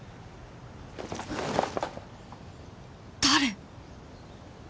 誰？